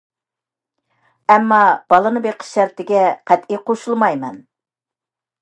ئەمما بالىنى بېقىش شەرتىگە قەتئىي قوشۇلمايمەن.